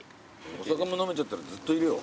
お酒も飲めちゃったらずっといるよ。